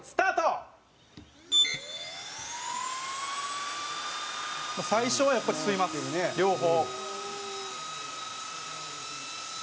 松橋：最初は、やっぱり吸いますよね、両方。